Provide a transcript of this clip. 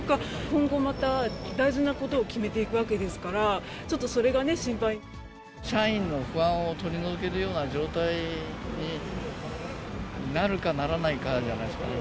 今後また、大事なことを決めていくわけですから、ちょっとそれがね、社員の不安を取り除けるような状態になるか、ならないか、じゃないですかね。